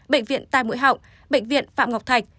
bệnh viện tài mũi học bệnh viện phạm ngọc thạch